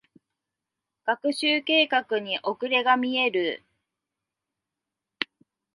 学習計画に遅れが見える。